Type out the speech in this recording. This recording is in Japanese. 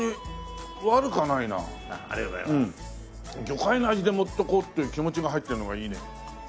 魚介の味で持っていこうっていう気持ちが入ってるのがいいね。